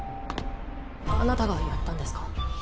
あなたがやったんですか？